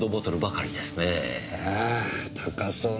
あぁ高そう。